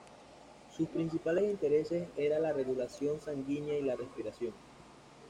Sus principales intereses era la regulación sanguínea y la respiración.